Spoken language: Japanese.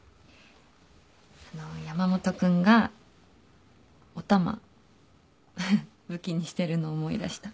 あの山本君がお玉フフ武器にしてるの思い出した。